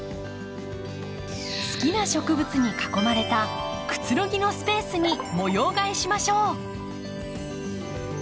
好きな植物に囲まれたくつろぎのスペースに模様替えしましょう！